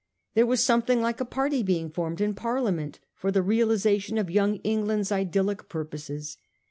There was something like a party being formed in Parlia ment for the realisation of Young England's idyllic purposes.